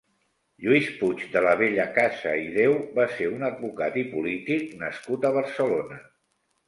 Lluís Puig de la Bellacasa i Deu va ser un advocat i polític nascut a Barcelona.